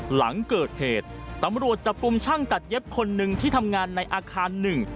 หลังเกิดเหตุตำรวจจับกลุ่มช่างตัดเย็บคนหนึ่งที่ทำงานในอาคารหนึ่ง